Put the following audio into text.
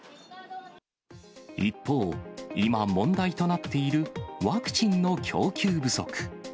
一方、今問題となっているワクチンの供給不足。